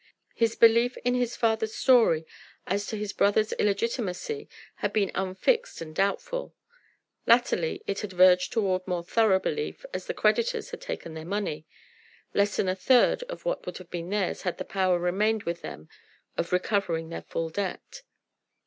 His belief in his father's story as to his brother's illegitimacy had been unfixed and doubtful. Latterly it had verged toward more thorough belief as the creditors had taken their money, less than a third of what would have been theirs had the power remained with them of recovering their full debt.